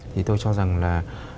thì tôi cho rằng là